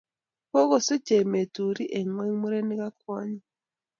Kukusich emet turii eng ngony murenik ak kwonyii.